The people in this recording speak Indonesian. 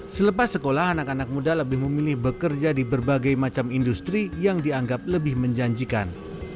selepas sekolah anak anak muda lebih memilih bekerja di berbagai macam industri yang dianggap lebih menjanjikan